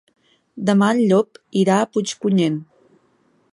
Demà en Llop irà a Puigpunyent.